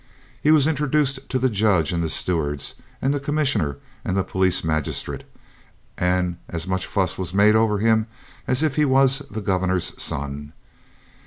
He was introduced to the judge and the stewards and the Commissioner and the police magistrate, and as much fuss made over him as if he was the Governor's son.